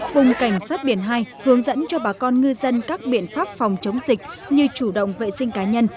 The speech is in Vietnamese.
vùng cảnh sát biển hai hướng dẫn cho bà con ngư dân các biện pháp phòng chống dịch như chủ động vệ sinh cá nhân